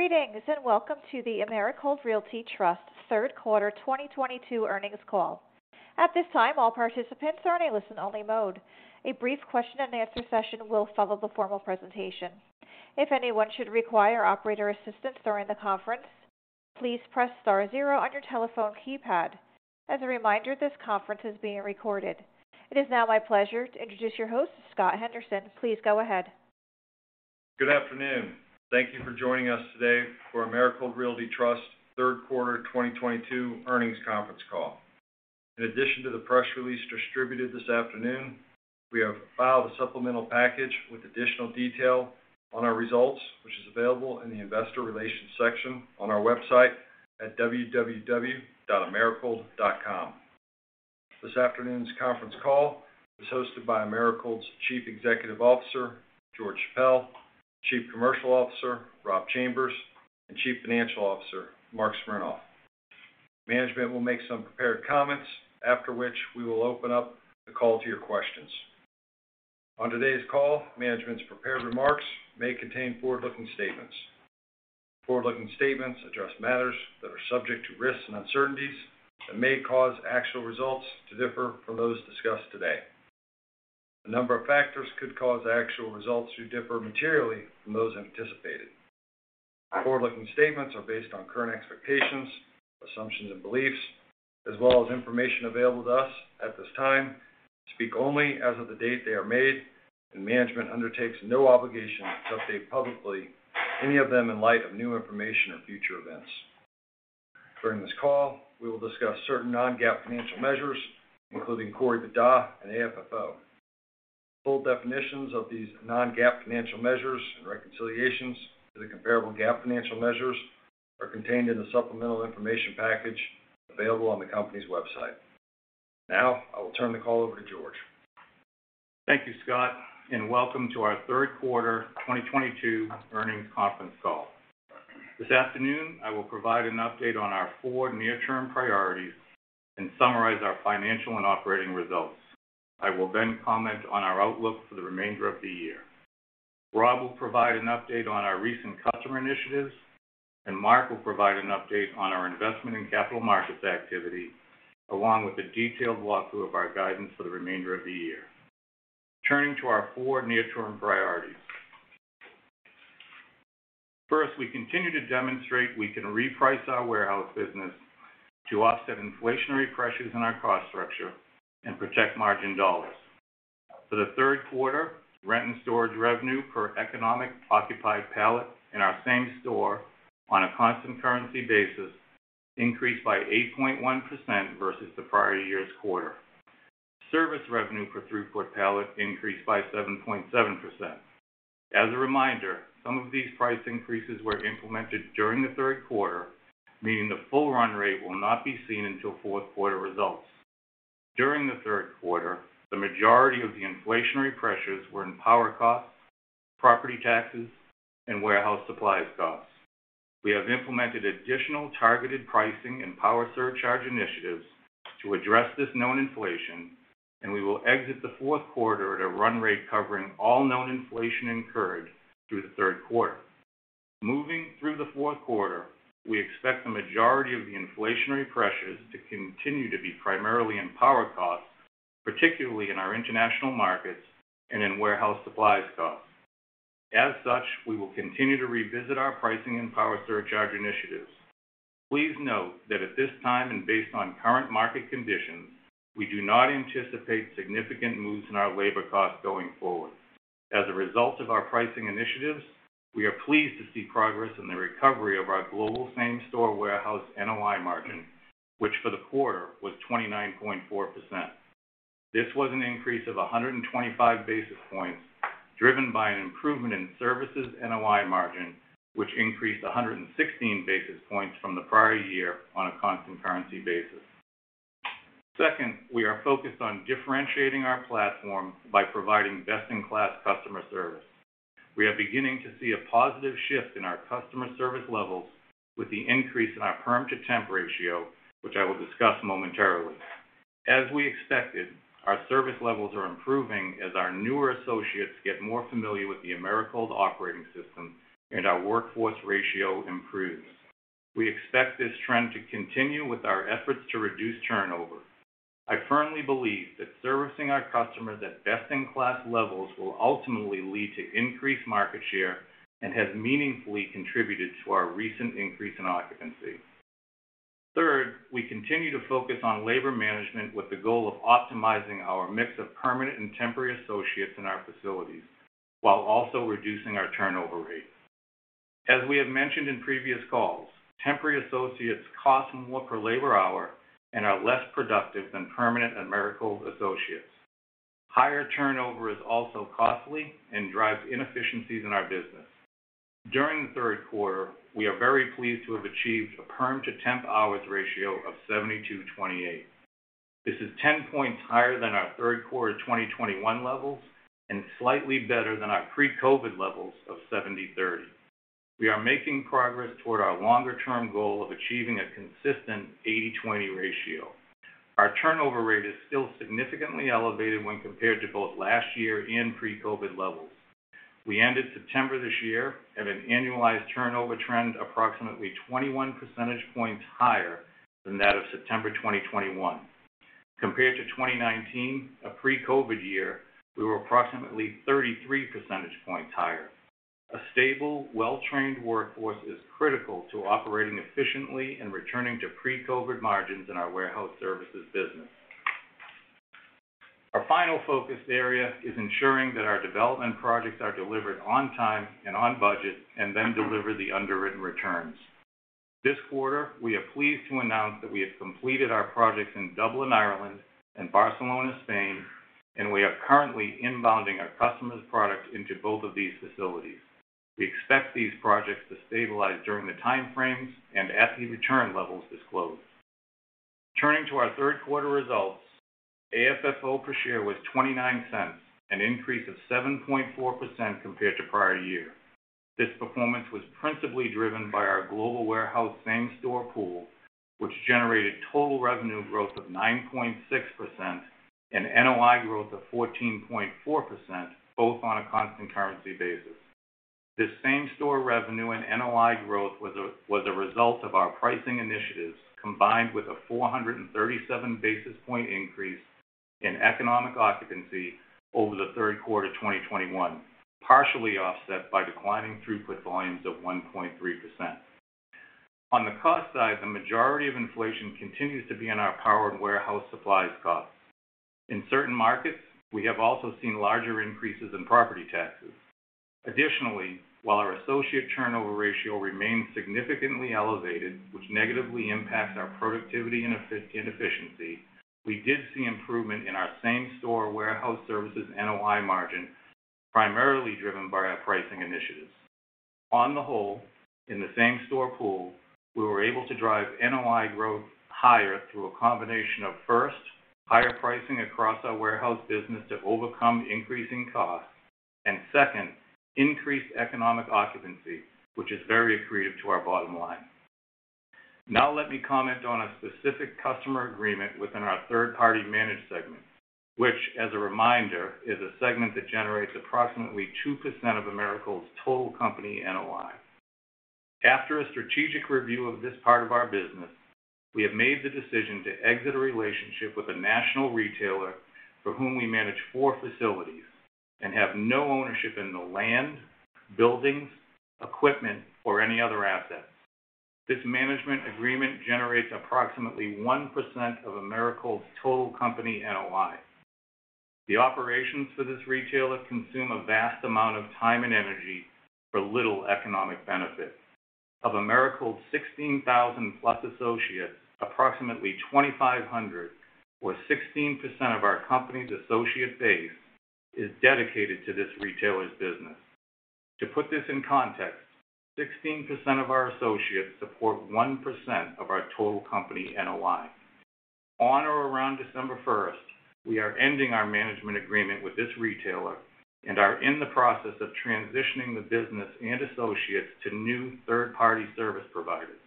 Greetings, and welcome to the Americold Realty Trust third quarter 2022 earnings call. At this time, all participants are in a listen-only mode. A brief question-and-answer session will follow the formal presentation. If anyone should require operator assistance during the conference, please press star zero on your telephone keypad. As a reminder, this conference is being recorded. It is now my pleasure to introduce your host, Scott Henderson. Please go ahead. Good afternoon. Thank you for joining us today for Americold Realty Trust third quarter 2022 earnings conference call. In addition to the press release distributed this afternoon, we have filed a supplemental package with additional detail on our results, which is available in the investor relations section on our website at www.americold.com. This afternoon's conference call is hosted by Americold's Chief Executive Officer, George Chappelle, Chief Commercial Officer, Rob Chambers, and Chief Financial Officer, Marc Smernoff. Management will make some prepared comments after which we will open up the call to your questions. On today's call, management's prepared remarks may contain forward-looking statements. Forward-looking statements address matters that are subject to risks and uncertainties that may cause actual results to differ from those discussed today. A number of factors could cause actual results to differ materially from those anticipated. Forward-looking statements are based on current expectations, assumptions, and beliefs as well as information available to us at this time, speak only as of the date they are made, and management undertakes no obligation to update publicly any of them in light of new information or future events. During this call, we will discuss certain non-GAAP financial measures, including Core EBITDA and AFFO. Full definitions of these non-GAAP financial measures and reconciliations to the comparable GAAP financial measures are contained in the supplemental information package available on the company's website. Now, I will turn the call over to George. Thank you, Scott, and welcome to our third quarter 2022 earnings conference call. This afternoon, I will provide an update on our four near-term priorities and summarize our financial and operating results. I will then comment on our outlook for the remainder of the year. Rob will provide an update on our recent customer initiatives, and Marc will provide an update on our investment in capital markets activity, along with a detailed walkthrough of our guidance for the remainder of the year. Turning to our four near-term priorities. First, we continue to demonstrate we can reprice our warehouse business to offset inflationary pressures in our cost structure and protect margin dollars. For the third quarter, rent and storage revenue per economically occupied pallet in our same-store on a constant currency basis increased by 8.1% versus the prior year's quarter. Service revenue per three-foot pallet increased by 7.7%. As a reminder, some of these price increases were implemented during the third quarter, meaning the full run rate will not be seen until fourth quarter results. During the third quarter, the majority of the inflationary pressures were in power costs, property taxes, and warehouse supplies costs. We have implemented additional targeted pricing and power surcharge initiatives to address this known inflation, and we will exit the fourth quarter at a run rate covering all known inflation incurred through the third quarter. Moving through the fourth quarter, we expect the majority of the inflationary pressures to continue to be primarily in power costs, particularly in our international markets and in warehouse supplies costs. As such, we will continue to revisit our pricing and power surcharge initiatives. Please note that at this time, and based on current market conditions, we do not anticipate significant moves in our labor costs going forward. As a result of our pricing initiatives, we are pleased to see progress in the recovery of our global same-store warehouse NOI margin, which for the quarter was 29.4%. This was an increase of 125 basis points, driven by an improvement in services NOI margin, which increased 116 basis points from the prior year on a constant currency basis. Second, we are focused on differentiating our platform by providing best-in-class customer service. We are beginning to see a positive shift in our customer service levels with the increase in our perm-to-temp ratio, which I will discuss momentarily. As we expected, our service levels are improving as our newer associates get more familiar with the Americold operating system and our workforce ratio improves. We expect this trend to continue with our efforts to reduce turnover. I firmly believe that servicing our customers at best-in-class levels will ultimately lead to increased market share and has meaningfully contributed to our recent increase in occupancy. Third, we continue to focus on labor management with the goal of optimizing our mix of permanent and temporary associates in our facilities while also reducing our turnover rates. As we have mentioned in previous calls, temporary associates cost more per labor hour and are less productive than permanent Americold associates. Higher turnover is also costly and drives inefficiencies in our business. During the third quarter, we are very pleased to have achieved a perm to temp hours ratio of 72/28. This is 10 points higher than our third quarter 2021 levels and slightly better than our pre-COVID levels of 70/30. We are making progress toward our longer-term goal of achieving a consistent 80/20 ratio. Our turnover rate is still significantly elevated when compared to both last year and pre-COVID levels. We ended September this year at an annualized turnover trend approximately 21 percentage points higher than that of September 2021. Compared to 2019, a pre-COVID year, we were approximately 33 percentage points higher. A stable, well-trained workforce is critical to operating efficiently and returning to pre-COVID margins in our warehouse services business. Our final focus area is ensuring that our development projects are delivered on time and on budget and then deliver the underwritten returns. This quarter, we are pleased to announce that we have completed our projects in Dublin, Ireland and Barcelona, Spain, and we are currently inbounding our customer's product into both of these facilities. We expect these projects to stabilize during the time frames and at the return levels disclosed. Turning to our third quarter results, AFFO per share was $0.29, an increase of 7.4% compared to prior year. This performance was principally driven by our global warehouse same-store pool, which generated total revenue growth of 9.6% and NOI growth of 14.4%, both on a constant currency basis. This same-store revenue and NOI growth was a result of our pricing initiatives, combined with a 437 basis point increase in economic occupancy over the third quarter of 2021, partially offset by declining throughput volumes of 1.3%. On the cost side, the majority of inflation continues to be in our power and warehouse supplies costs. In certain markets, we have also seen larger increases in property taxes. Additionally, while our associate turnover ratio remains significantly elevated, which negatively impacts our productivity and efficiency, we did see improvement in our same-store warehouse services NOI margin, primarily driven by our pricing initiatives. On the whole, in the same-store pool, we were able to drive NOI growth higher through a combination of, first, higher pricing across our warehouse business to overcome increasing costs, and second, increased economic occupancy, which is very accretive to our bottom line. Now let me comment on a specific customer agreement within our third-party managed segment, which, as a reminder, is a segment that generates approximately 2% of Americold's total company NOI. After a strategic review of this part of our business, we have made the decision to exit a relationship with a national retailer for whom we manage four facilities and have no ownership in the land, buildings, equipment, or any other assets. This management agreement generates approximately 1% of Americold's total company NOI. The operations for this retailer consume a vast amount of time and energy for little economic benefit. Of Americold's 16,000+ associates, approximately 2,500, or 16% of our company's associate base, is dedicated to this retailer's business. To put this in context, 16% of our associates support 1% of our total company NOI. On or around December first, we are ending our management agreement with this retailer and are in the process of transitioning the business and associates to new third-party service providers.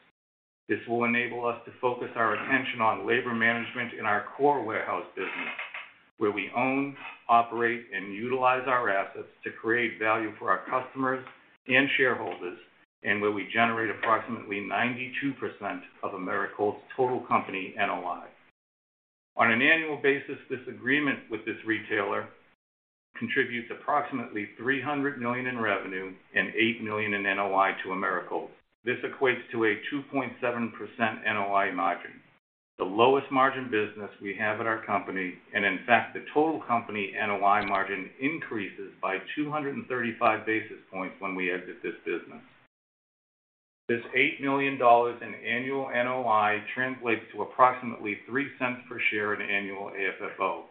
This will enable us to focus our attention on labor management in our core warehouse business, where we own, operate, and utilize our assets to create value for our customers and shareholders, and where we generate approximately 92% of Americold's total company NOI. On an annual basis, this agreement with this retailer contributes approximately $300 million in revenue and $8 million in NOI to Americold. This equates to a 2.7% NOI margin, the lowest margin business we have at our company. In fact, the total company NOI margin increases by 235 basis points when we exit this business. This $8 million in annual NOI translates to approximately $0.03 per share in annual AFFO.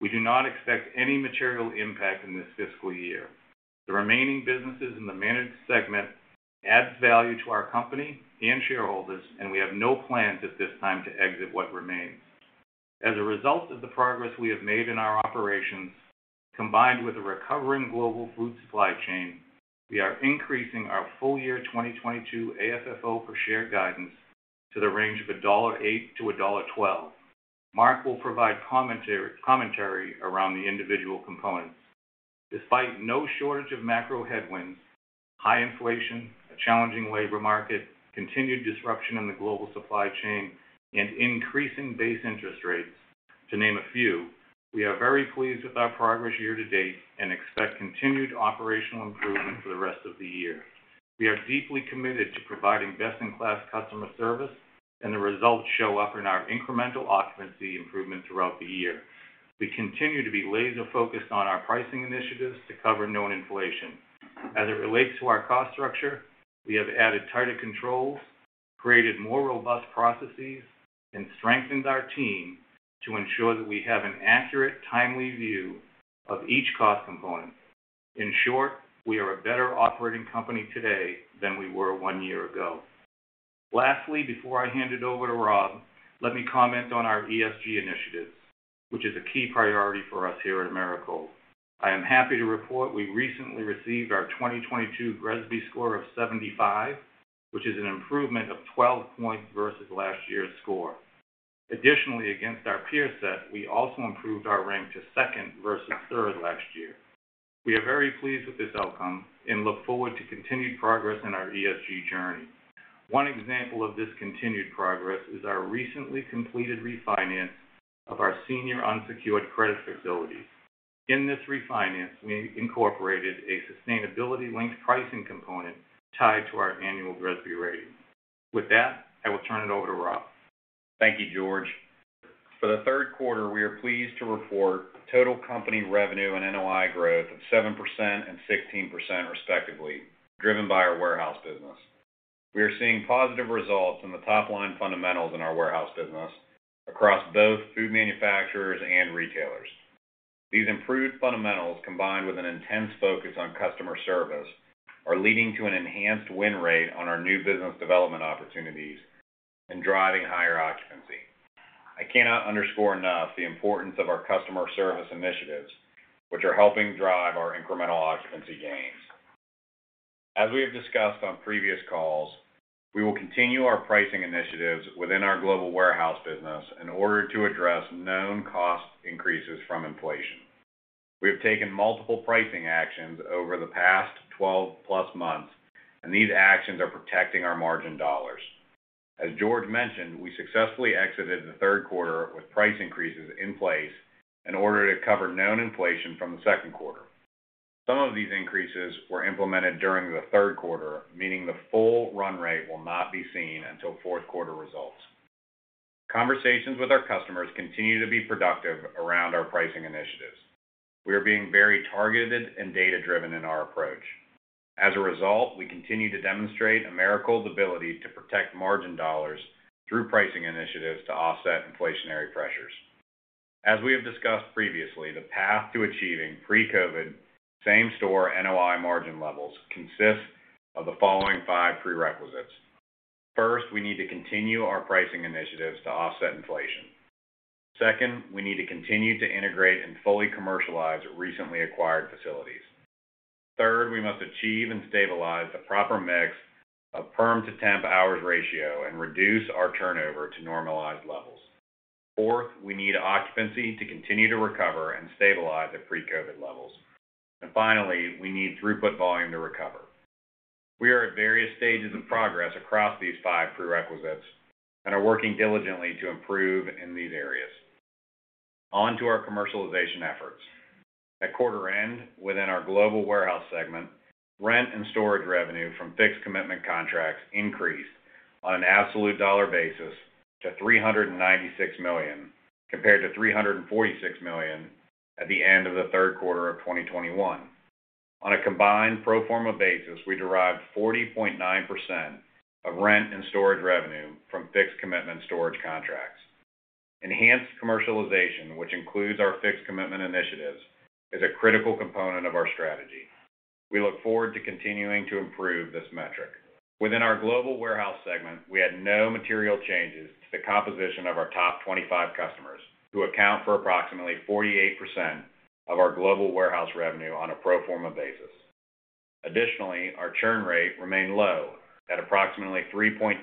We do not expect any material impact in this fiscal year. The remaining businesses in the managed segment adds value to our company and shareholders, and we have no plans at this time to exit what remains. As a result of the progress we have made in our operations, combined with a recovering global food supply chain, we are increasing our full year 2022 AFFO per share guidance to the range of $1.08-$1.12. Marc will provide commentary around the individual components. Despite no shortage of macro headwinds, high inflation, a challenging labor market, continued disruption in the global supply chain, and increasing base interest rates, to name a few, we are very pleased with our progress year to date and expect continued operational improvement for the rest of the year. We are deeply committed to providing best-in-class customer service, and the results show up in our incremental occupancy improvement throughout the year. We continue to be laser-focused on our pricing initiatives to cover known inflation. As it relates to our cost structure, we have added tighter controls, created more robust processes, and strengthened our team to ensure that we have an accurate, timely view of each cost component. In short, we are a better operating company today than we were one year ago. Lastly, before I hand it over to Rob, let me comment on our ESG initiatives, which is a key priority for us here at Americold. I am happy to report we recently received our 2022 GRESB score of 75, which is an improvement of 12 points versus last year's score. Additionally, against our peer set, we also improved our rank to second versus third last year. We are very pleased with this outcome and look forward to continued progress in our ESG journey. One example of this continued progress is our recently completed refinance of our senior unsecured credit facilities. In this refinance, we incorporated a sustainability linked pricing component tied to our annual GRESB rating. With that, I will turn it over to Rob. Thank you, George. For the third quarter, we are pleased to report total company revenue and NOI growth of 7% and 16% respectively, driven by our warehouse business. We are seeing positive results in the top-line fundamentals in our warehouse business across both food manufacturers and retailers. These improved fundamentals, combined with an intense focus on customer service, are leading to an enhanced win rate on our new business development opportunities and driving higher occupancy. I cannot underscore enough the importance of our customer service initiatives, which are helping drive our incremental occupancy gains. As we have discussed on previous calls, we will continue our pricing initiatives within our global warehouse business in order to address known cost increases from inflation. We have taken multiple pricing actions over the past 12+ months, and these actions are protecting our margin dollars. As George mentioned, we successfully exited the third quarter with price increases in place in order to cover known inflation from the second quarter. Some of these increases were implemented during the third quarter, meaning the full run rate will not be seen until fourth quarter results. Conversations with our customers continue to be productive around our pricing initiatives. We are being very targeted and data-driven in our approach. As a result, we continue to demonstrate Americold's ability to protect margin dollars through pricing initiatives to offset inflationary pressures. As we have discussed previously, the path to achieving pre-COVID same-store NOI margin levels consists of the following five prerequisites. First, we need to continue our pricing initiatives to offset inflation. Second, we need to continue to integrate and fully commercialize recently acquired facilities. Third, we must achieve and stabilize the proper mix of perm-to-temp ratio and reduce our turnover to normalized levels. Fourth, we need occupancy to continue to recover and stabilize at pre-COVID levels. Finally, we need throughput volume to recover. We are at various stages of progress across these five prerequisites and are working diligently to improve in these areas. On to our commercialization efforts. At quarter end, within our global warehouse segment, rent and storage revenue from fixed commitment contracts increased on an absolute dollar basis to $396 million, compared to $346 million at the end of the third quarter of 2021. On a combined pro forma basis, we derived 40.9% of rent and storage revenue from fixed commitment storage contracts. Enhanced commercialization, which includes our fixed commitment initiatives, is a critical component of our strategy. We look forward to continuing to improve this metric. Within our global warehouse segment, we had no material changes to the composition of our top 25 customers, who account for approximately 48% of our global warehouse revenue on a pro forma basis. Additionally, our churn rate remained low at approximately 3.2%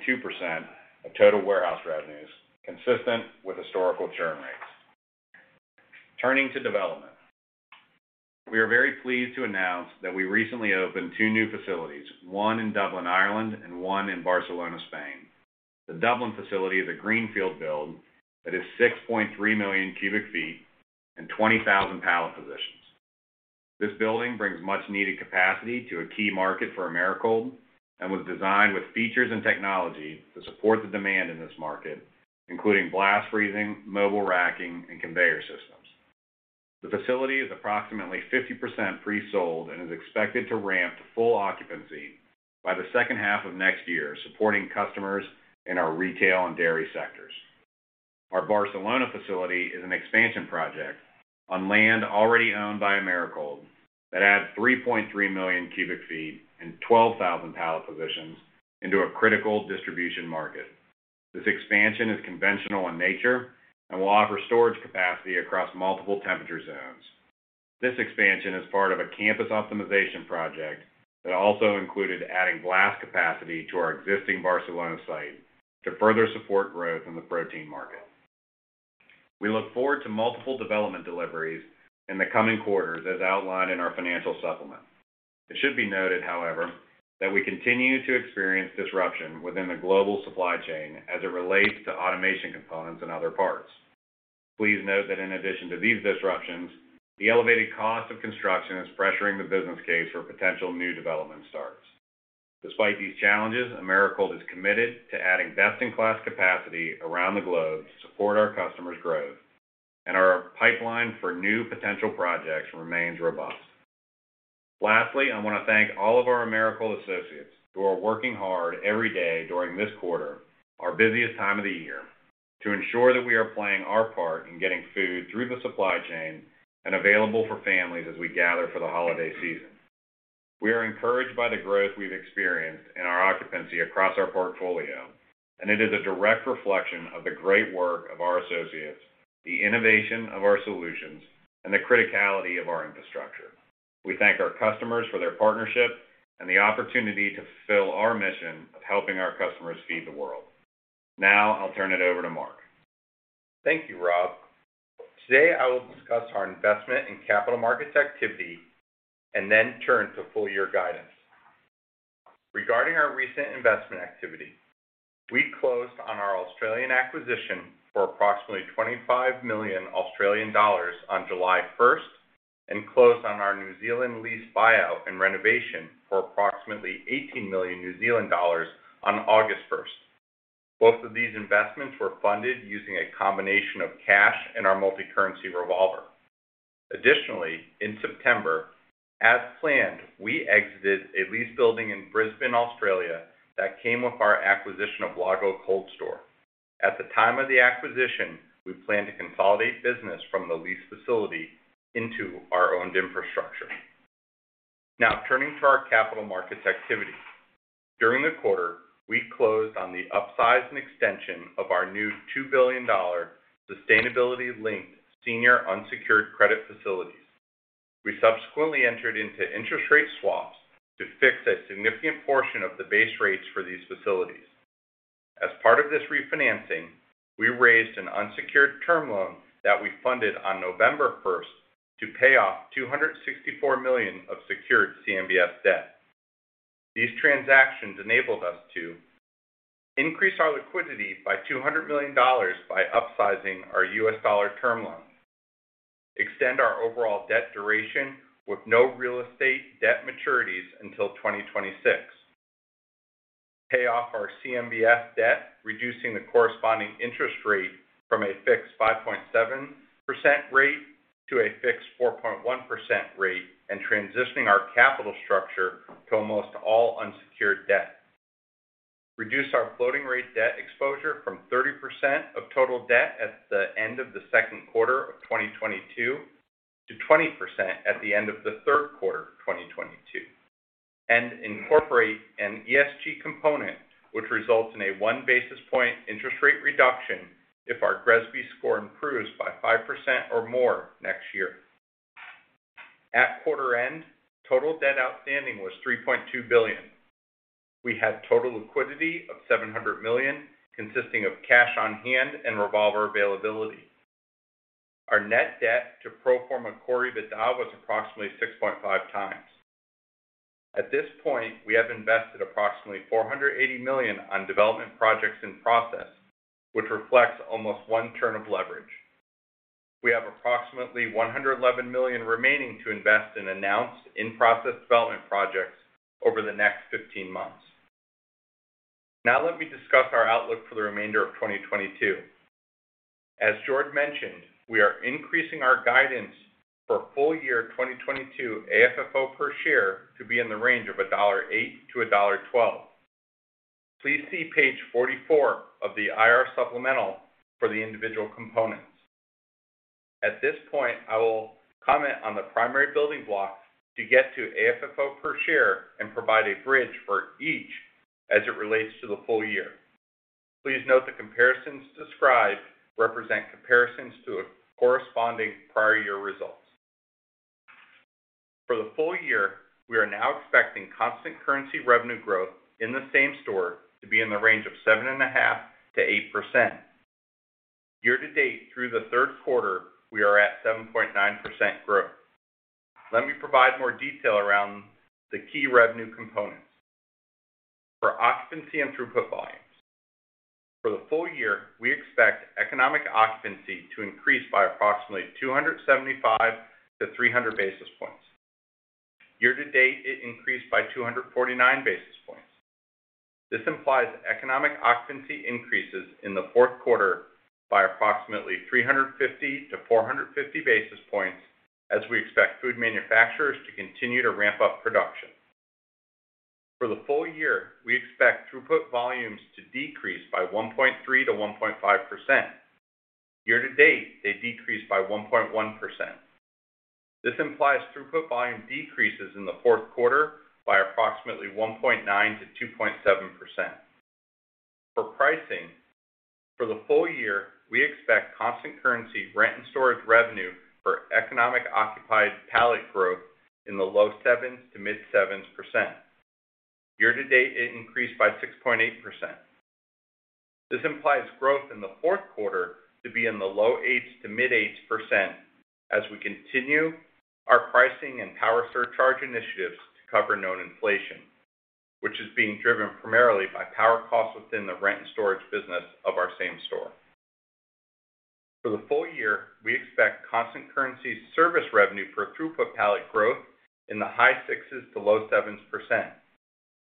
of total warehouse revenues, consistent with historical churn rates. Turning to development. We are very pleased to announce that we recently opened 2 new facilities, one in Dublin, Ireland and one in Barcelona, Spain. The Dublin facility is a greenfield build that is 6.3 million cubic feet and 20,000 pallet positions. This building brings much needed capacity to a key market for Americold and was designed with features and technology to support the demand in this market, including blast freezing, mobile racking and conveyor systems. The facility is approximately 50% pre-sold and is expected to ramp to full occupancy by the second half of next year, supporting customers in our retail and dairy sectors. Our Barcelona facility is an expansion project on land already owned by Americold that adds 3.3 million cubic feet and 12,000 pallet positions into a critical distribution market. This expansion is conventional in nature and will offer storage capacity across multiple temperature zones. This expansion is part of a campus optimization project that also included adding blast capacity to our existing Barcelona site to further support growth in the protein market. We look forward to multiple development deliveries in the coming quarters, as outlined in our financial supplement. It should be noted, however, that we continue to experience disruption within the global supply chain as it relates to automation components and other parts. Please note that in addition to these disruptions, the elevated cost of construction is pressuring the business case for potential new development starts. Despite these challenges, Americold is committed to adding best in class capacity around the globe to support our customers' growth and our pipeline for new potential projects remains robust. Lastly, I want to thank all of our Americold associates who are working hard every day during this quarter, our busiest time of the year, to ensure that we are playing our part in getting food through the supply chain and available for families as we gather for the holiday season. We are encouraged by the growth we've experienced in our occupancy across our portfolio, and it is a direct reflection of the great work of our associates, the innovation of our solutions, and the criticality of our infrastructure. We thank our customers for their partnership and the opportunity to fulfill our mission of helping our customers feed the world. Now, I'll turn it over to Marc. Thank you, Rob. Today, I will discuss our investments and capital markets activity and then turn to full-year guidance. Regarding our recent investment activity, we closed on our Australian acquisition for approximately 25 million Australian dollars on July first and closed on our New Zealand lease buyout and renovation for approximately 18 million New Zealand dollars on August first. Both of these investments were funded using a combination of cash and our multicurrency revolver. Additionally, in September, as planned, we exited a lease building in Brisbane, Australia, that came with our acquisition of Lago Cold Storage. At the time of the acquisition, we planned to consolidate business from the lease facility into our owned infrastructure. Now turning to our capital markets activity. During the quarter, we closed on the upsize and extension of our new $2 billion sustainability-linked senior unsecured credit facilities. We subsequently entered into interest rate swaps to fix a significant portion of the base rates for these facilities. As part of this refinancing, we raised an unsecured term loan that we funded on November first to pay off $264 million of secured CMBS debt. These transactions enabled us to increase our liquidity by $200 million by upsizing our U.S. dollar term loan, extend our overall debt duration with no real estate debt maturities until 2026, pay off our CMBS debt, reducing the corresponding interest rate from a fixed 5.7% rate to a fixed 4.1% rate and transitioning our capital structure to almost all unsecured debt, reduce our floating rate debt exposure from 30% of total debt at the end of the second quarter of 2022 to 20% at the end of the third quarter of 2022, and incorporate an ESG component, which results in a 1 basis point interest rate reduction if our GRESB score improves by 5% or more next year. At quarter end, total debt outstanding was $3.2 billion. We had total liquidity of $700 million, consisting of cash on hand and revolver availability. Our net debt to pro forma Core EBITDA was approximately 6.5x. At this point, we have invested approximately $480 million on development projects in process, which reflects almost one turn of leverage. We have approximately $111 million remaining to invest in announced in-process development projects over the next 15 months. Now let me discuss our outlook for the remainder of 2022. As George mentioned, we are increasing our guidance for full-year 2022 AFFO per share to be in the range of $1.08-$1.12. Please see page 44 of the IR supplemental for the individual components. At this point, I will comment on the primary building blocks to get to AFFO per share and provide a bridge for each as it relates to the full year. Please note the comparisons described represent comparisons to corresponding prior year results. For the full year, we are now expecting constant currency revenue growth in the same-store to be in the range of 7.5%-8%. Year to date through the third quarter, we are at 7.9% growth. Let me provide more detail around the key revenue components. For occupancy and throughput volumes. For the full year, we expect economic occupancy to increase by approximately 275-300 basis points. Year to date, it increased by 249 basis points. This implies economic occupancy increases in the fourth quarter by approximately 350-450 basis points as we expect food manufacturers to continue to ramp up production. For the full year, we expect throughput volumes to decrease by 1.3%-1.5%. Year to date, they decreased by 1.1%. This implies throughput volume decreases in the fourth quarter by approximately 1.9%-2.7%. For pricing, for the full year, we expect constant currency rent and storage revenue for economic occupied pallet growth in the low sevens to mid sevens percent. Year to date, it increased by 6.8%. This implies growth in the fourth quarter to be in the low 8s to mid 8s% as we continue our pricing and power surcharge initiatives to cover known inflation, which is being driven primarily by power costs within the rent and storage business of our same store. For the full year, we expect constant currency service revenue for throughput pallet growth in the high 6s to low 7s%.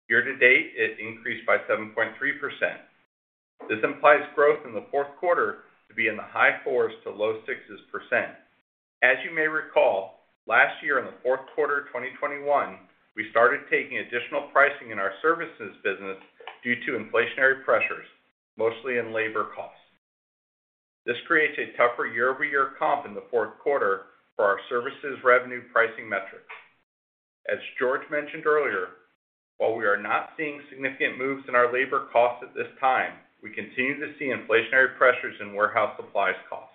Year to date, it increased by 7.3%. This implies growth in the fourth quarter to be in the high 4s to low 6s%. As you may recall, last year in the fourth quarter of 2021, we started taking additional pricing in our services business due to inflationary pressures, mostly in labor costs. This creates a tougher year-over-year comp in the fourth quarter for our services revenue pricing metrics. As George mentioned earlier, while we are not seeing significant moves in our labor costs at this time, we continue to see inflationary pressures in warehouse supplies costs.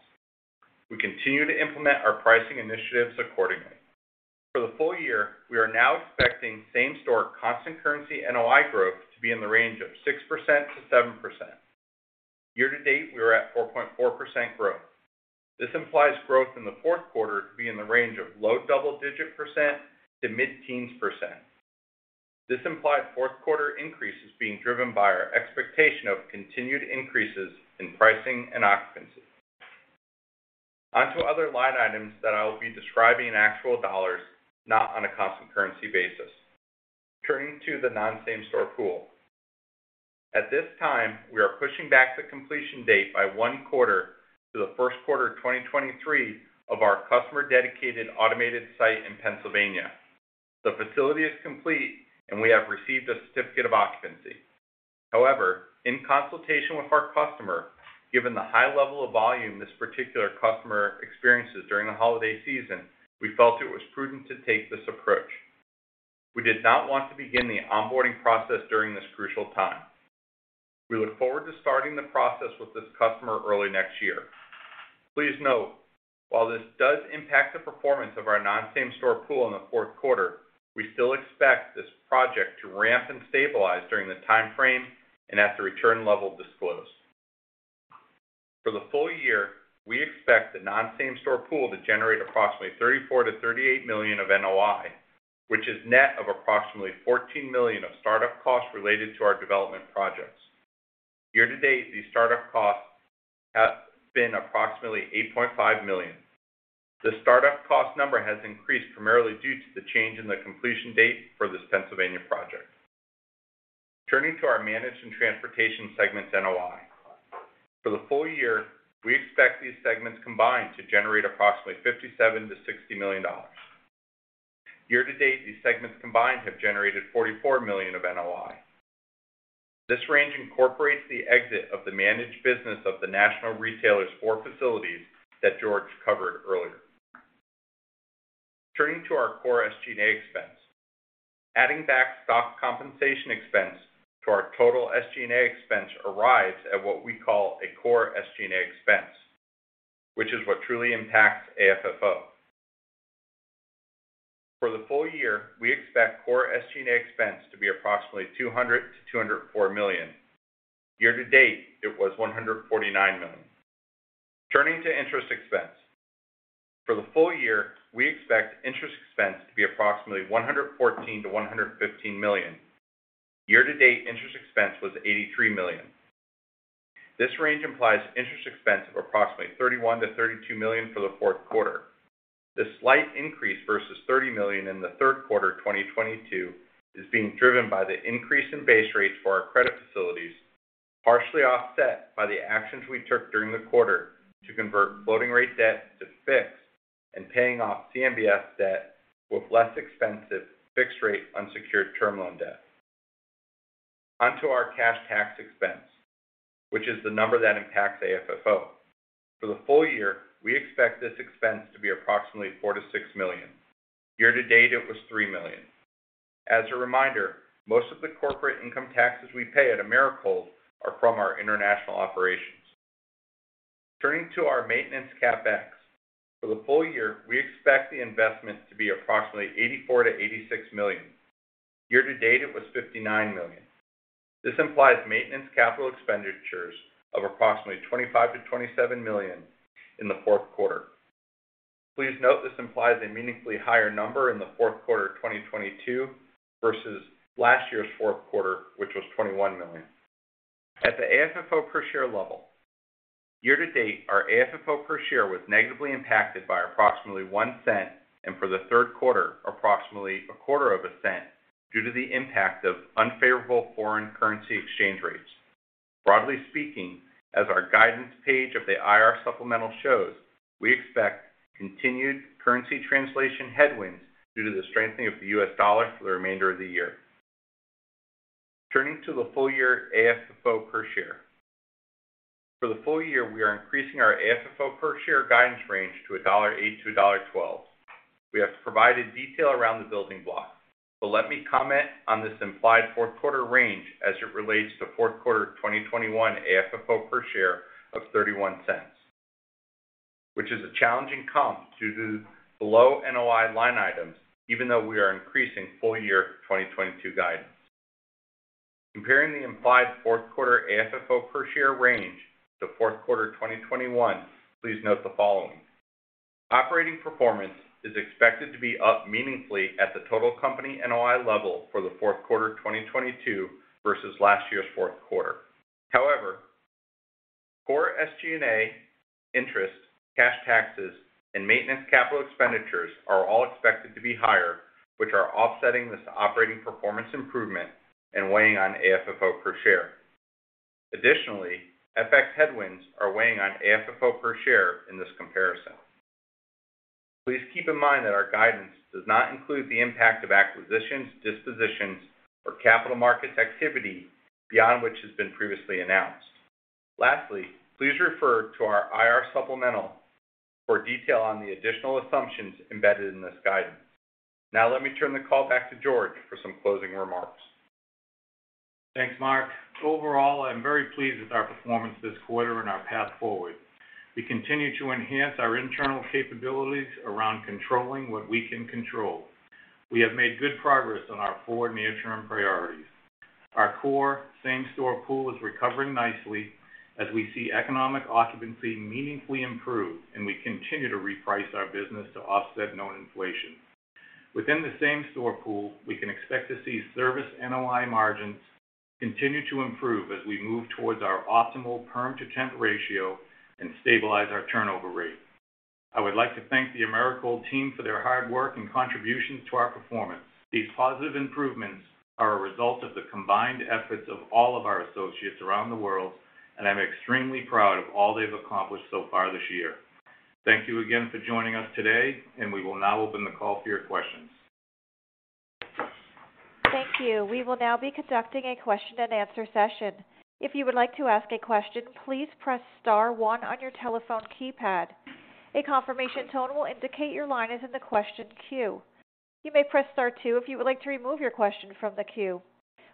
We continue to implement our pricing initiatives accordingly. For the full year, we are now expecting same-store constant currency NOI growth to be in the range of 6%-7%. Year to date, we are at 4.4% growth. This implies growth in the fourth quarter to be in the range of low double-digit percent to mid-teens percent. This implied fourth quarter increase is being driven by our expectation of continued increases in pricing and occupancy. On to other line items that I will be describing in actual dollars, not on a constant currency basis. Turning to the non-same-store pool. At this time, we are pushing back the completion date by one quarter to the first quarter of 2023 of our customer dedicated automated site in Pennsylvania. The facility is complete and we have received a certificate of occupancy. However, in consultation with our customer, given the high level of volume this particular customer experiences during the holiday season, we felt it was prudent to take this approach. We did not want to begin the onboarding process during this crucial time. We look forward to starting the process with this customer early next year. Please note, while this does impact the performance of our non-same store pool in the fourth quarter, we still expect this project to ramp and stabilize during the time frame and at the return level disclosed. For the full year, we expect the non-same store pool to generate approximately $34 million-$38 million of NOI, which is net of approximately $14 million of start-up costs related to our development projects. Year to date, these start-up costs has been approximately $8.5 million. The start-up cost number has increased primarily due to the change in the completion date for this Pennsylvania project. Turning to our managed and transportation segment's NOI. For the full year, we expect these segments combined to generate approximately $57 million-$60 million. Year to date, these segments combined have generated $44 million of NOI. This range incorporates the exit of the managed business of the national retailers' four facilities that George covered earlier. Turning to our core SG&A expense. Adding back stock compensation expense to our total SG&A expense arrives at what we call a core SG&A expense, which is what truly impacts AFFO. For the full year, we expect core SG&A expense to be approximately $200 million-$204 million. Year to date, it was $149 million. Turning to interest expense. For the full year, we expect interest expense to be approximately $114 million-$115 million. Year to date, interest expense was $83 million. This range implies interest expense of approximately $31 million-$32 million for the fourth quarter. This slight increase versus $30 million in the third quarter of 2022 is being driven by the increase in base rates for our credit facilities, partially offset by the actions we took during the quarter to convert floating rate debt to fixed and paying off CMBS debt with less expensive fixed rate unsecured term loan debt. Onto our cash tax expense, which is the number that impacts AFFO. For the full year, we expect this expense to be approximately $4 million-$6 million. Year to date, it was $3 million. As a reminder, most of the corporate income taxes we pay at Americold are from our international operations. Turning to our maintenance CapEx. For the full year, we expect the investment to be approximately $84 million-$86 million. Year to date, it was $59 million. This implies maintenance capital expenditures of approximately $25 million-$27 million in the fourth quarter. Please note this implies a meaningfully higher number in the fourth quarter of 2022 versus last year's fourth quarter, which was $21 million. At the AFFO per share level, year to date, our AFFO per share was negatively impacted by approximately $0.01, and for the third quarter, approximately $0.0025 due to the impact of unfavorable foreign currency exchange rates. Broadly speaking, as our guidance page of the IR supplemental shows, we expect continued currency translation headwinds due to the strengthening of the U.S. dollar for the remainder of the year. Turning to the full year AFFO per share. For the full year, we are increasing our AFFO per share guidance range to $1.08-$1.12. We have provided detail around the building block. Let me comment on this implied fourth quarter range as it relates to fourth quarter of 2021 AFFO per share of $0.31, which is a challenging comp due to the low NOI line items, even though we are increasing full year 2022 guidance. Comparing the implied fourth quarter AFFO per share range to fourth quarter of 2021, please note the following. Operating performance is expected to be up meaningfully at the total company NOI level for the fourth quarter of 2022 versus last year's fourth quarter. However, core SG&A interest, cash taxes, and maintenance capital expenditures are all expected to be higher, which are offsetting this operating performance improvement and weighing on AFFO per share. Additionally, FX headwinds are weighing on AFFO per share in this comparison. Please keep in mind that our guidance does not include the impact of acquisitions, dispositions, or capital markets activity beyond which has been previously announced. Lastly, please refer to our IR supplemental for detail on the additional assumptions embedded in this guidance. Now let me turn the call back to George for some closing remarks. Thanks, Marc. Overall, I'm very pleased with our performance this quarter and our path forward. We continue to enhance our internal capabilities around controlling what we can control. We have made good progress on our forward near-term priorities. Our core same-store pool is recovering nicely as we see economic occupancy meaningfully improve, and we continue to reprice our business to offset known inflation. Within the same-store pool, we can expect to see service NOI margins continue to improve as we move towards our optimal perm-to-temp ratio and stabilize our turnover rate. I would like to thank the Americold team for their hard work and contributions to our performance. These positive improvements are a result of the combined efforts of all of our associates around the world, and I'm extremely proud of all they've accomplished so far this year. Thank you again for joining us today, and we will now open the call for your questions. Thank you. We will now be conducting a question and answer session. If you would like to ask a question, please press star one on your telephone keypad. A confirmation tone will indicate your line is in the question queue. You may press star two if you would like to remove your question from the queue.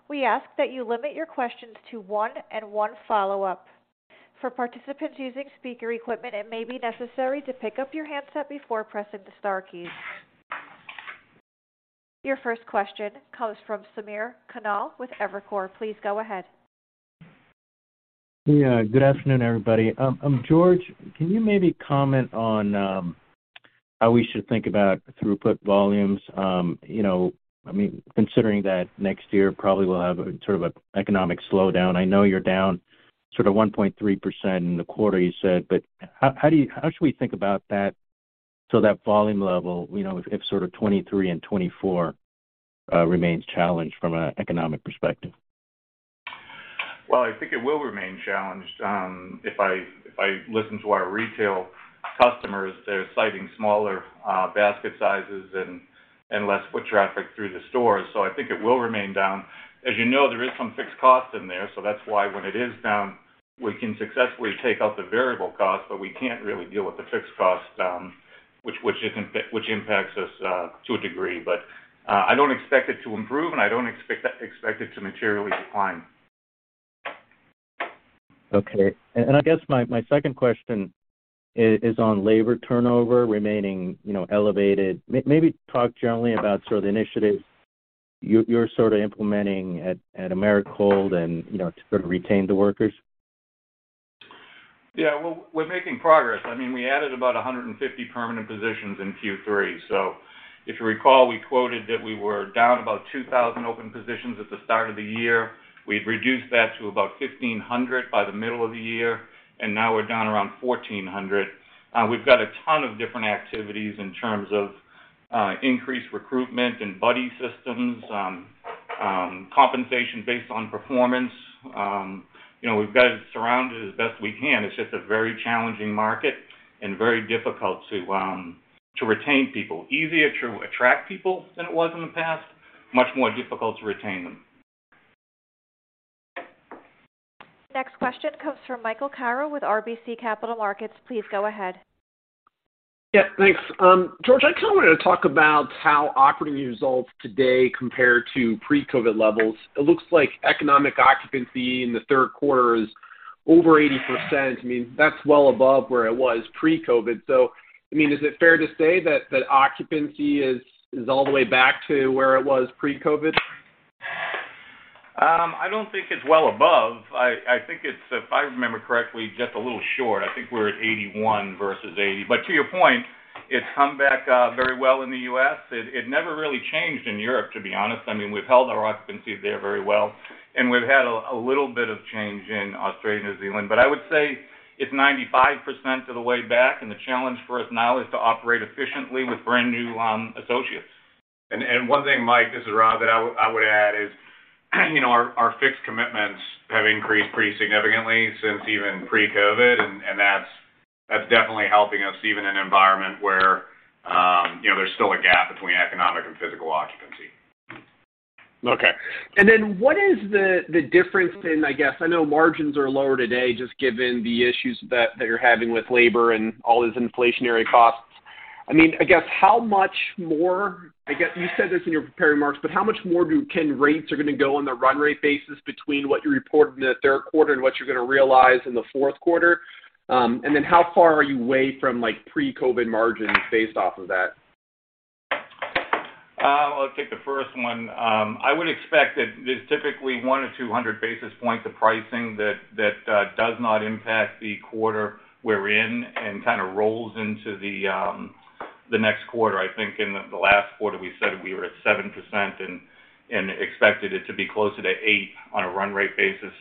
We ask that you limit your questions to one and one follow-up. For participants using speaker equipment, it may be necessary to pick up your handset before pressing the star keys. Your first question comes from Samir Khanal with Evercore. Please go ahead. Yeah, good afternoon, everybody. George, can you maybe comment on how we should think about throughput volumes? I mean, considering that next year probably will have sort of a economic slowdown. I know you're down sort of 1.3% in the quarter, you said, but how should we think about that so that volume level, you know, if sort of 2023 and 2024 remains challenged from a economic perspective? Well, I think it will remain challenged. If I listen to our retail customers, they're citing smaller basket sizes and less foot traffic through the stores. I think it will remain down. As you know, there is some fixed cost in there, so that's why when it is down, we can successfully take out the variable cost, but we can't really deal with the fixed cost, which impacts us to a degree. I don't expect it to improve, and I don't expect it to materially decline. Okay. I guess my second question is on labor turnover remaining elevated. Maybe talk generally about sort of the initiatives you're sort of implementing at Americold and, you know, to sort of retain the workers. Yeah. Well, we're making progress. I mean, we added about 150 permanent positions in Q3. If you recall, we quoted that we were down about 2,000 open positions at the start of the year. We've reduced that to about 1,500 by the middle of the year, and now we're down around 1,400. We've got a ton of different activities in terms of increased recruitment and buddy systems. Compensation based on performance. You know, we've got it surrounded as best we can. It's just a very challenging market and very difficult to retain people. Easier to attract people than it was in the past, much more difficult to retain them. Next question comes from Michael Carroll with RBC Capital Markets. Please go ahead. Yeah, thanks. George, I kind of wanted to talk about how operating results today compare to pre-COVID levels. It looks like economic occupancy in the third quarter is over 80%. I mean, that's well above where it was pre-COVID. I mean, is it fair to say that occupancy is all the way back to where it was pre-COVID? I don't think it's well above. I think it's, if I remember correctly, just a little short. I think we're at 81 versus 80. To your point, it's come back very well in the U.S. It never really changed in Europe, to be honest. I mean, we've held our occupancy there very well, and we've had a little bit of change in Australia and New Zealand. I would say it's 95% of the way back, and the challenge for us now is to operate efficiently with brand-new associates. One thing, Mike, this is Rob, that I would add is, you know, our fixed commitments have increased pretty significantly since even pre-COVID, and that's definitely helping us even in an environment where, you know, there's still a gap between economic and physical occupancy. Okay. What is the difference in, I guess I know margins are lower today just given the issues that you're having with labor and all these inflationary costs. I mean, I guess you said this in your prepared remarks, but how much more can rates go on a run rate basis between what you reported in the third quarter and what you're gonna realize in the fourth quarter? How far are you away from, like, pre-COVID margins based off of that? I'll take the first one. I would expect that there's typically 100-200 basis points of pricing that does not impact the quarter we're in and kind of rolls into the next quarter. I think in the last quarter we said we were at 7% and expected it to be closer to 8% on a run rate basis.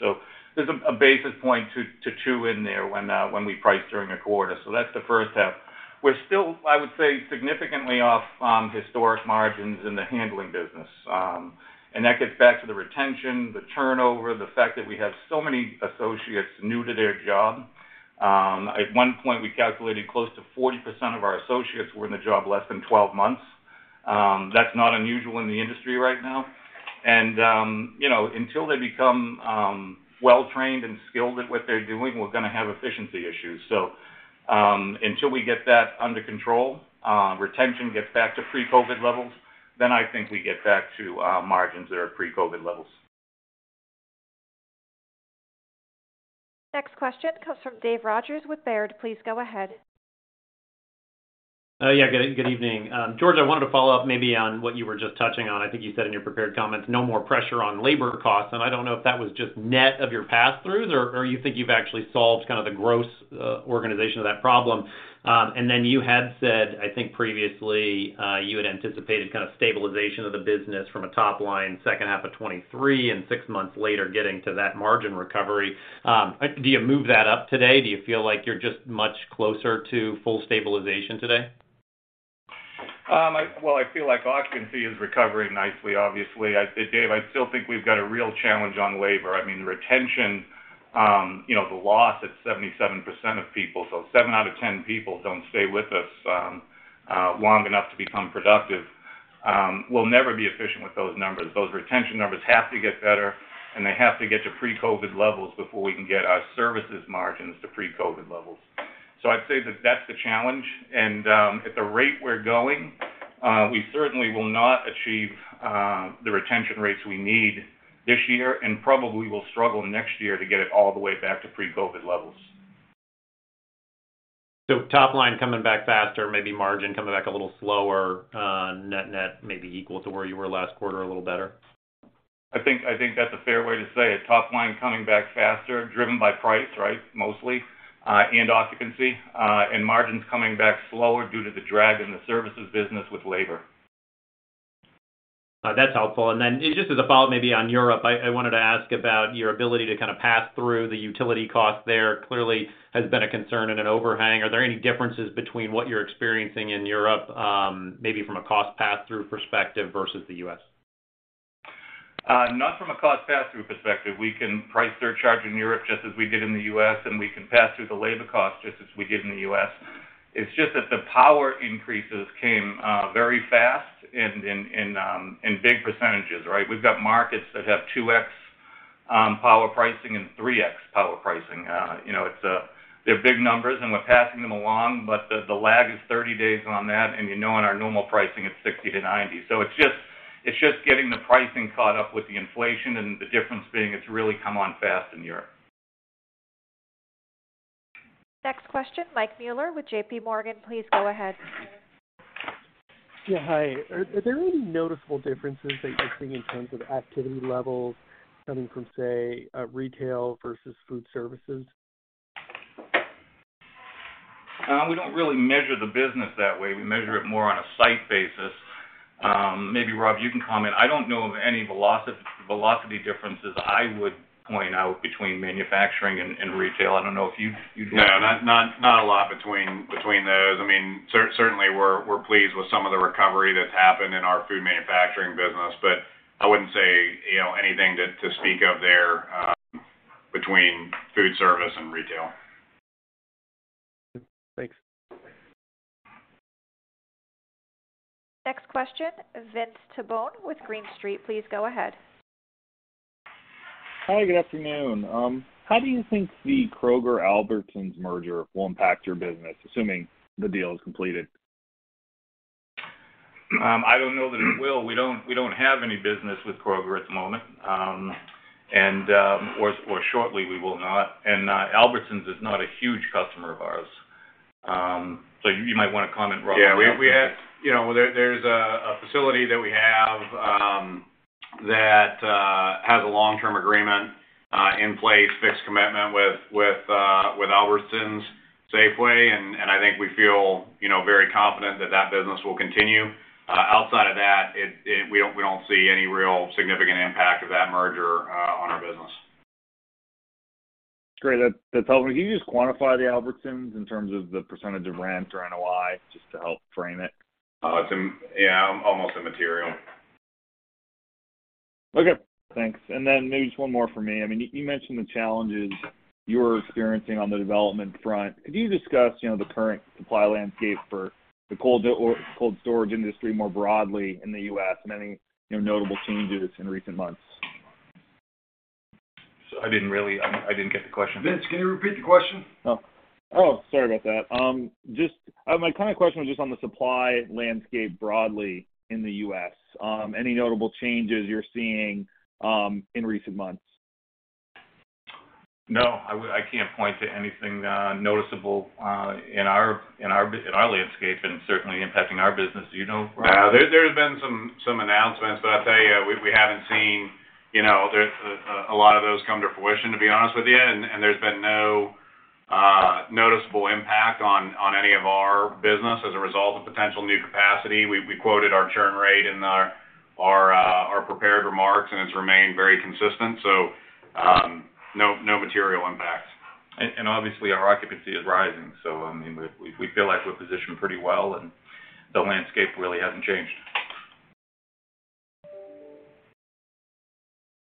There's a basis point to chew in there when we price during a quarter. That's the first half. We're still, I would say, significantly off historic margins in the handling business. That gets back to the retention, the turnover, the fact that we have so many associates new to their job. At one point, we calculated close to 40% of our associates were in the job less than 12 months. That's not unusual in the industry right now. Until they become well-trained and skilled at what they're doing, we're gonna have efficiency issues. Until we get that under control, retention gets back to pre-COVID levels, then I think we get back to margins that are pre-COVID levels. Next question comes from Dave Rodgers with Baird. Please go ahead. Yeah, good evening. George, I wanted to follow up maybe on what you were just touching on. I think you said in your prepared comments, no more pressure on labor costs. I don't know if that was just net of your passthroughs or you think you've actually solved kind of the gross organization of that problem. Then you had said, I think previously, you had anticipated kind of stabilization of the business from a top line, second half of 2023 and six months later, getting to that margin recovery. Do you move that up today? Do you feel like you're just much closer to full stabilization today? Well, I feel like occupancy is recovering nicely, obviously. Dave, I still think we've got a real challenge on labor. I mean, retention, you know, the loss at 77% of people, so seven out of ten people don't stay with us, long enough to become productive, we'll never be efficient with those numbers. Those retention numbers have to get better, and they have to get to pre-COVID levels before we can get our services margins to pre-COVID levels. I'd say that's the challenge. At the rate we're going, we certainly will not achieve the retention rates we need this year, and probably will struggle next year to get it all the way back to pre-COVID levels. Top line coming back faster, maybe margin coming back a little slower, net-net may be equal to where you were last quarter, a little better. I think that's a fair way to say it. Top line coming back faster, driven by price, right, mostly, and occupancy, and margins coming back slower due to the drag in the services business with labor. That's helpful. Just as a follow-up, maybe on Europe, I wanted to ask about your ability to kind of pass through the utility costs there. Clearly has been a concern and an overhang. Are there any differences between what you're experiencing in Europe, maybe from a cost pass-through perspective versus the U.S.? Not from a cost pass-through perspective. We can price surcharge in Europe just as we did in the U.S., and we can pass through the labor cost just as we did in the U.S. It's just that the power increases came very fast and in big percentages, right? We've got markets that have 2x power pricing and 3x power pricing. You know, they're big numbers, and we're passing them along, but the lag is 30 days on that. You know, in our normal pricing, it's 60-90. It's just getting the pricing caught up with the inflation and the difference being it's really come on fast in Europe. Next question, Mike Mueller with JPMorgan. Please go ahead. Yeah. Hi. Are there any noticeable differences that you're seeing in terms of activity levels coming from, say, retail versus food services? We don't really measure the business that way. We measure it more on a site basis. Maybe, Rob, you can comment. I don't know of any velocity differences I would point out between manufacturing and retail. I don't know if you'd No, not a lot between those. I mean, certainly we're pleased with some of the recovery that's happened in our food manufacturing business, but I wouldn't say, you know, anything to speak of there between food service and retail. Thanks. Next question, Vince Tibone with Green Street. Please go ahead. Hi. Good afternoon. How do you think the Kroger-Albertsons merger will impact your business, assuming the deal is completed? I don't know that it will. We don't have any business with Kroger at the moment or shortly, we will not. Albertsons is not a huge customer of ours. You might wanna comment, Rob. Yeah. We have you know, there's a facility that we have that has a long-term agreement in place, fixed commitment with Albertsons Safeway, and I think we feel you know, very confident that that business will continue. Outside of that, we don't see any real significant impact of that merger on our business. Great. That's helpful. Can you just quantify the Albertsons in terms of the percentage of rent or NOI, just to help frame it? Yeah, almost immaterial. Okay, thanks. Maybe just one more for me. I mean, you mentioned the challenges you're experiencing on the development front. Can you discuss the current supply landscape for the cold storage industry more broadly in the U.S. and any notable changes in recent months? I didn't get the question. Vince, can you repeat the question? Oh, sorry about that. My current question was just on the supply landscape broadly in the U.S. Any notable changes you're seeing in recent months? No. I can't point to anything noticeable in our landscape and certainly impacting our business. Do you know, Rob? No. There have been some announcements, but I'll tell you, we haven't seen, you know, a lot of those come to fruition, to be honest with you, and there's been no noticeable impact on any of our business as a result of potential new capacity. We quoted our churn rate in our prepared remarks, and it's remained very consistent. No material impacts. Obviously, our occupancy is rising. I mean, we feel like we're positioned pretty well, and the landscape really hasn't changed.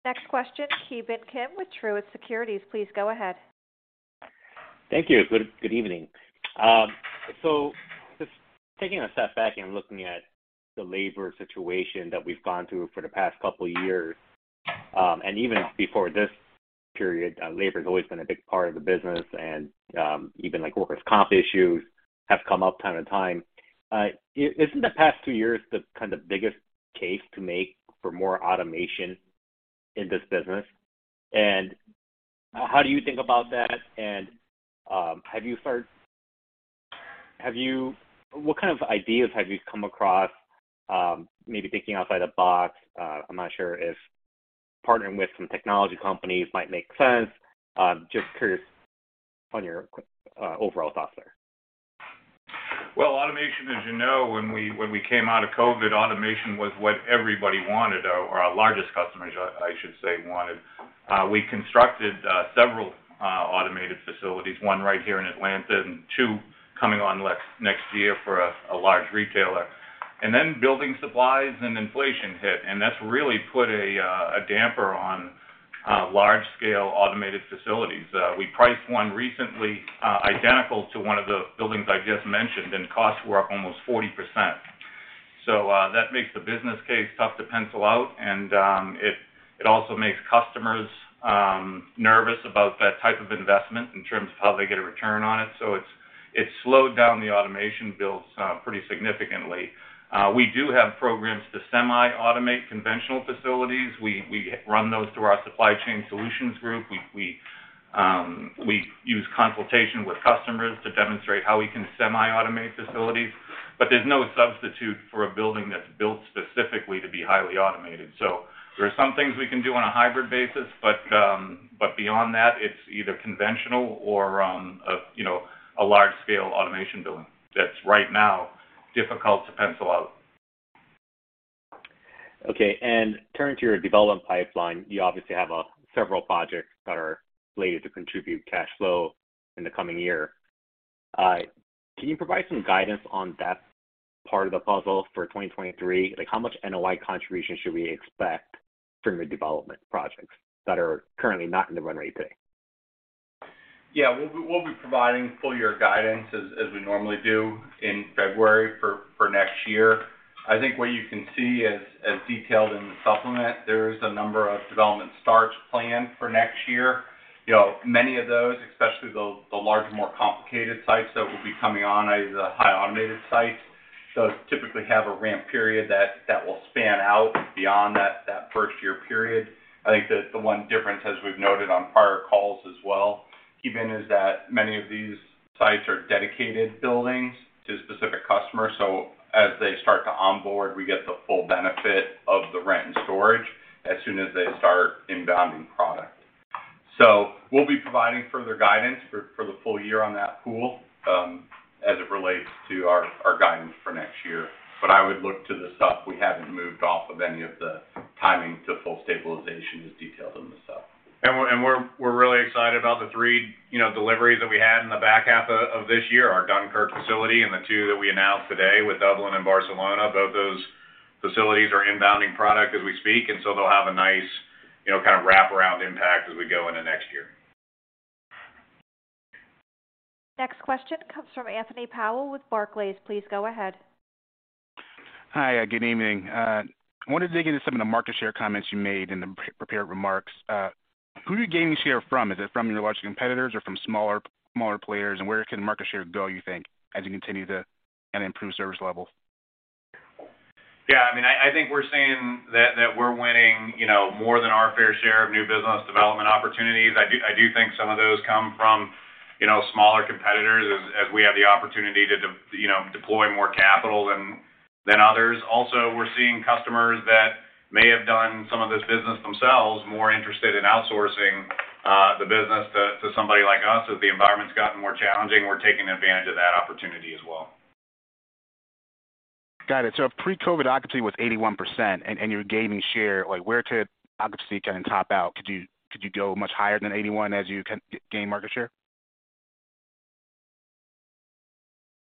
Next question, Ki Bin Kim with Truist Securities. Please go ahead. Thank you. Good evening. Just taking a step back and looking at the labor situation that we've gone through for the past couple of years, and even before this period, labor's always been a big part of the business, and, even like workers' comp issues have come up time to time. Isn't the past two years the kind of biggest case to make for more automation in this business? And how do you think about that? What kind of ideas have you come across, maybe thinking outside the box? I'm not sure if partnering with some technology companies might make sense. Just curious on your overall thoughts there. Well, automation, as you know, when we came out of COVID, automation was what everybody wanted, or our largest customers, I should say, wanted. We constructed several automated facilities, one right here in Atlanta and two coming on next year for a large retailer. Then building supplies and inflation hit, and that's really put a damper on large scale automated facilities. We priced one recently, identical to one of the buildings I just mentioned, and costs were up almost 40%. That makes the business case tough to pencil out. It also makes customers nervous about that type of investment in terms of how they get a return on it. It's slowed down the automation builds pretty significantly. We do have programs to semi-automate conventional facilities. We run those through our supply chain solutions group. We use consultation with customers to demonstrate how we can semi-automate facilities. There's no substitute for a building that's built specifically to be highly automated. There are some things we can do on a hybrid basis, but beyond that, it's either conventional or a large scale automation building that's right now difficult to pencil out. Okay. Turning to your development pipeline, you obviously have several projects that are slated to contribute cash flow in the coming year. Can you provide some guidance on that part of the puzzle for 2023? Like, how much NOI contribution should we expect from your development projects that are currently not in the run rate today? Yeah. We'll be providing full year guidance as we normally do in February for next year. I think what you can see as detailed in the supplement, there is a number of development starts planned for next year. You know, many of those, especially the larger, more complicated sites that will be coming on as a highly automated site, those typically have a ramp period that will span out beyond that first year period. I think that the one difference, as we've noted on prior calls as well, the key thing is that many of these sites are dedicated buildings to specific customers. As they start to onboard, we get the full benefit of the rent and storage as soon as they start inbounding product. We'll be providing further guidance for the full year on that pool, as it relates to our guidance for next year. I would look to the stuff we haven't moved off of any of the timing to full stabilization as detailed in the sub. We're really excited about the three, you know, deliveries that we had in the back half of this year, our Dunkirk facility and the two that we announced today with Dublin and Barcelona. Both those facilities are inbounding product as we speak, and so they'll have a nice, you know, kind of wraparound impact as we go into next year. Next question comes from Anthony Powell with Barclays. Please go ahead. Hi. Good evening. I wanted to dig into some of the market share comments you made in the prepared remarks. Who are you gaining share from? Is it from your larger competitors or from smaller players? Where can market share go, you think, as you continue to, kind of, improve service levels? Yeah, I mean, I think we're saying that we're winning, you know, more than our fair share of new business development opportunities. I do think some of those come from, smaller competitors as we have the opportunity to deploy more capital than others. Also, we're seeing customers that may have done some of this business themselves more interested in outsourcing the business to somebody like us. As the environment's gotten more challenging, we're taking advantage of that opportunity as well. Got it. Pre-COVID, occupancy was 81% and you're gaining share. Like, where did occupancy kind of top out? Could you go much higher than 81% as you gain market share?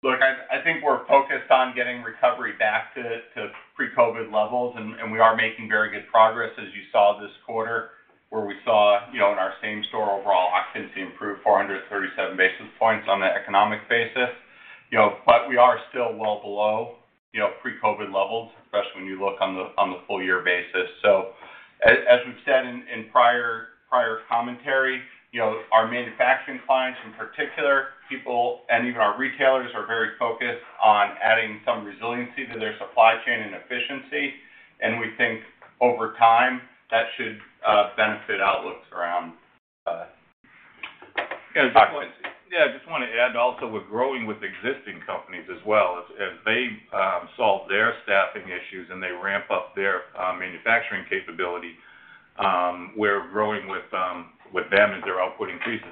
Look, I think we're focused on getting recovery back to pre-COVID levels, and we are making very good progress, as you saw this quarter, where we saw, you know, in our same-store overall occupancy improved 437 basis points on the economic basis. You know, but we are still well below, you know, pre-COVID levels, especially when you look on the full year basis. As we've said in prior commentary, you know, our manufacturing clients in particular, people, and even our retailers are very focused on adding some resiliency to their supply chain and efficiency. We think over time, that should benefit outlooks around occupancy. Yeah, I just want to add also, we're growing with existing companies as well. As they solve their staffing issues and they ramp up their manufacturing capability, we're growing with them as their output increases.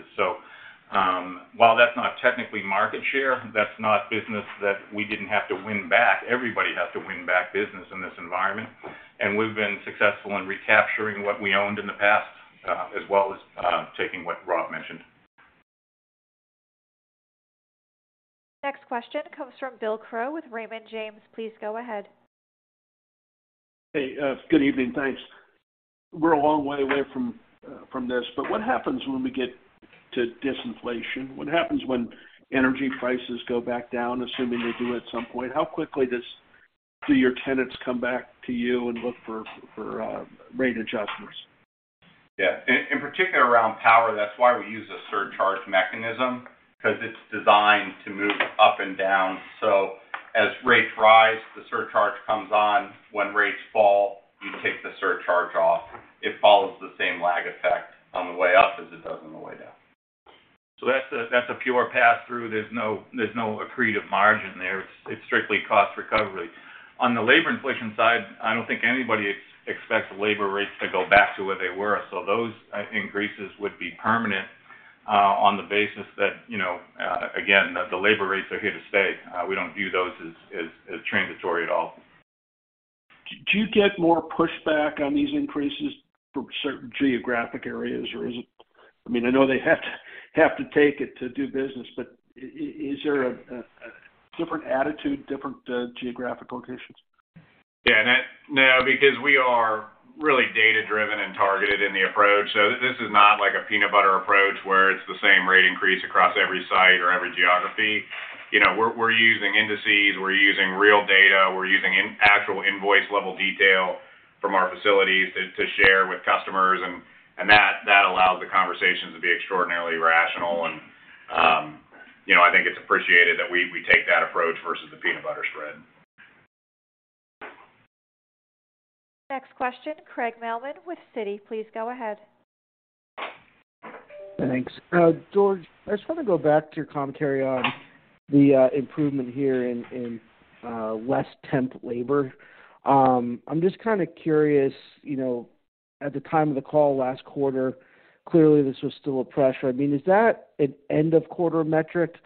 While that's not technically market share, that's not business that we didn't have to win back. Everybody has to win back business in this environment, and we've been successful in recapturing what we owned in the past, as well as taking what Rob mentioned. Next question comes from William Crow with Raymond James. Please go ahead. Hey, good evening. Thanks. We're a long way away from this. What happens when we get to disinflation? What happens when energy prices go back down, assuming they do at some point? How quickly do your tenants come back to you and look for rate adjustments? Yeah. In particular around power, that's why we use a surcharge mechanism, 'cause it's designed to move up and down. As rates rise, the surcharge comes on. When rates fall, you take the surcharge off. It follows the same lag effect on the way up as it does on the way down. That's a pure pass-through. There's no accretive margin there. It's strictly cost recovery. On the labor inflation side, I don't think anybody expects labor rates to go back to where they were. Those increases would be permanent, on the basis that, you know, again, the labor rates are here to stay. We don't view those as transitory at all. Do you get more pushback on these increases from certain geographic areas or is it? I mean, I know they have to take it to do business, but is there a different attitude, different geographic locations? Yeah. No, because we are really data-driven and targeted in the approach. This is not like a peanut butter approach where it's the same rate increase across every site or every geography. We're using indices, we're using real data, we're using an actual invoice-level detail from our facilities to share with customers. That allows the conversations to be extraordinarily rational. I think it's appreciated that we take that approach versus the peanut butter spread. Next question, Craig Mailman with Citi. Please go ahead. Thanks. George, I just wanna go back to your commentary on the improvement here in less temp labor. I'm just kinda curious, you know, at the time of the call last quarter, clearly this was still a pressure. I mean, is that an end of quarter metric,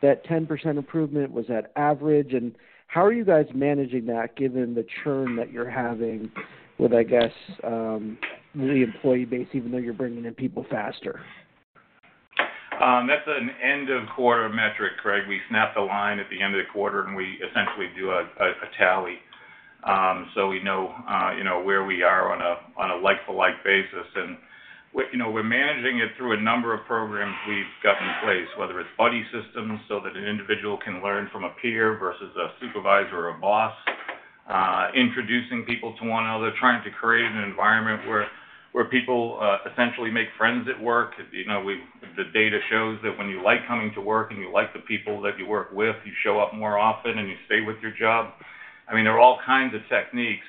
that 10% improvement? Was that average? And how are you guys managing that given the churn that you're having with, I guess, the employee base, even though you're bringing in people faster? That's an end-of-quarter metric, Craig. We snap the line at the end of the quarter, and we essentially do a tally. We know, you know, where we are on a like-for-like basis. We're managing it through a number of programs we've got in place, whether it's buddy systems so that an individual can learn from a peer versus a supervisor or boss, introducing people to one another, trying to create an environment where people essentially make friends at work. You know, the data shows that when you like coming to work and you like the people that you work with, you show up more often and you stay with your job. I mean, there are all kinds of techniques.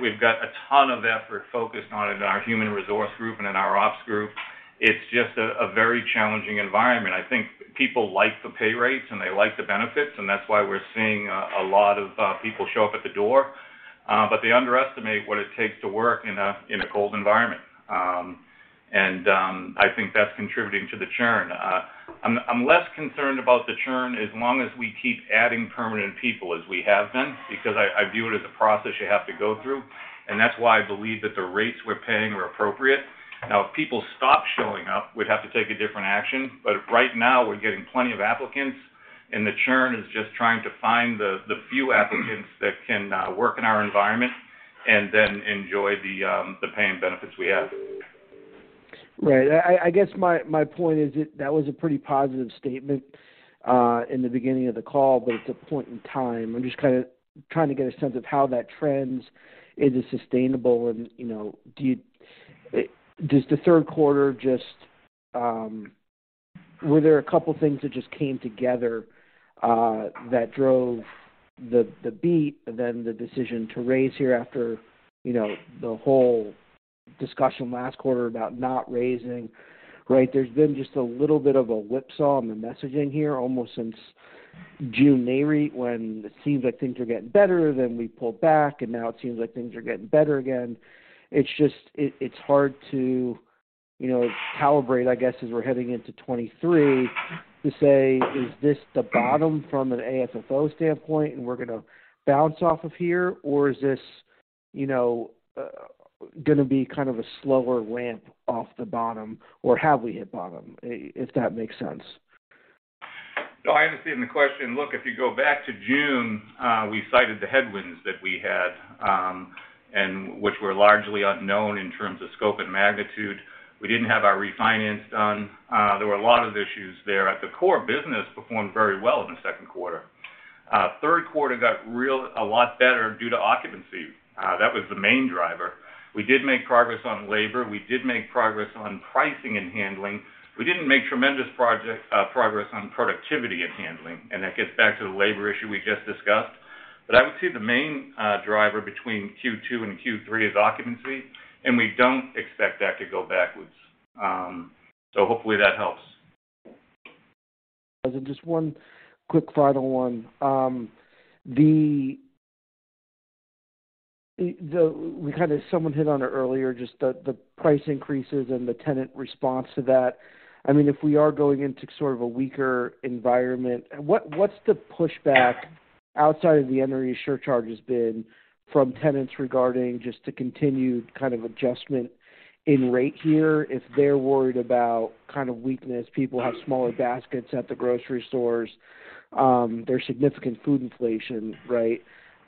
We've got a ton of effort focused on it in our human resource group and in our ops group. It's just a very challenging environment. I think people like the pay rates, and they like the benefits, and that's why we're seeing a lot of people show up at the door. But they underestimate what it takes to work in a cold environment. I think that's contributing to the churn. I'm less concerned about the churn as long as we keep adding permanent people as we have been, because I view it as a process you have to go through, and that's why I believe that the rates we're paying are appropriate. Now, if people stop showing up, we'd have to take a different action. Right now, we're getting plenty of applicants, and the churn is just trying to find the few applicants that can work in our environment and then enjoy the pay and benefits we have. Right. I guess my point is that was a pretty positive statement in the beginning of the call, but it's a point in time. I'm just kinda trying to get a sense of how that trends. Is it sustainable? Were there a couple things that just came together that drove the beat, then the decision to raise here after, you know, the whole discussion last quarter about not raising, right? There's been just a little bit of a whipsaw on the messaging here almost since June, maybe, when it seems like things are getting better, then we pull back, and now it seems like things are getting better again. It's hard to, you know, calibrate, I guess, as we're heading into 2023 to say, is this the bottom from an AFFO standpoint and we're gonna bounce off of here? Or is this, you know, gonna be kind of a slower ramp off the bottom? Or have we hit bottom? If that makes sense. No, I understand the question. Look, if you go back to June, we cited the headwinds that we had, and which were largely unknown in terms of scope and magnitude. We didn't have our refinance done. There were a lot of issues there. At the core, business performed very well in the second quarter. Third quarter got really a lot better due to occupancy. That was the main driver. We did make progress on labor. We did make progress on pricing and handling. We didn't make tremendous progress on productivity and handling, and that gets back to the labor issue we just discussed. I would say the main driver between Q2 and Q3 is occupancy, and we don't expect that to go backwards. Hopefully that helps. Just one quick final one. We kinda someone hit on it earlier, just the price increases and the tenant response to that. I mean, if we are going into sort of a weaker environment, what's the pushback outside of the energy surcharge has been from tenants regarding just the continued kind of adjustment in rate here if they're worried about kind of weakness, people have smaller baskets at the grocery stores, there's significant food inflation, right?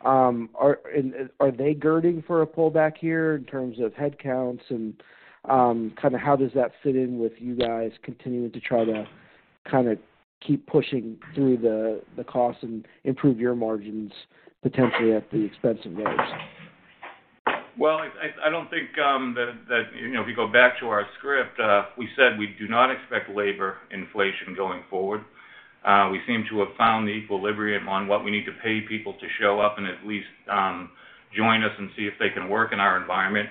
Are they girding for a pullback here in terms of headcounts? Kinda how does that fit in with you guys continuing to try to kinda keep pushing through the costs and improve your margins potentially at the expense of theirs? Well, I don't think that. You know, if you go back to our script, we said we do not expect labor inflation going forward. We seem to have found the equilibrium on what we need to pay people to show up and at least join us and see if they can work in our environment.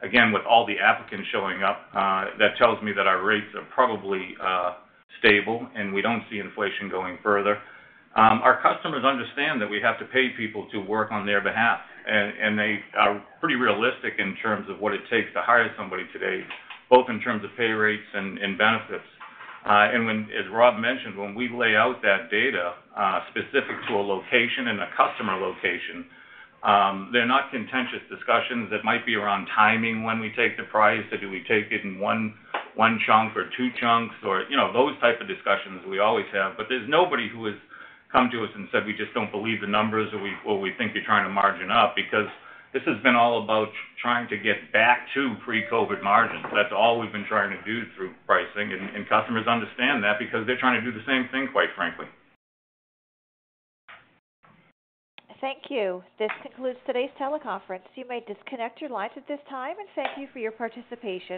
Again, with all the applicants showing up, that tells me that our rates are probably stable and we don't see inflation going further. Our customers understand that we have to pay people to work on their behalf. They are pretty realistic in terms of what it takes to hire somebody today, both in terms of pay rates and benefits. As Rob mentioned, when we lay out that data, specific to a location and a customer location, they're not contentious discussions. It might be around timing when we take the price, or do we take it in one chunk or two chunks or, you know, those type of discussions we always have. There's nobody who has come to us and said, "We just don't believe the numbers," or, "we think you're trying to margin up," because this has been all about trying to get back to pre-COVID margins. That's all we've been trying to do through pricing. Customers understand that because they're trying to do the same thing, quite frankly. Thank you. This concludes today's teleconference. You may disconnect your lines at this time. Thank you for your participation.